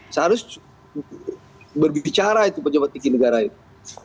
seharusnya berbicara itu pejabat tinggi negara itu